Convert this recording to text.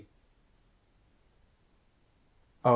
O!